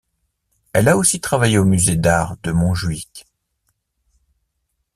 Elle a aussi travaillé au Musée d'Art de Montjuic.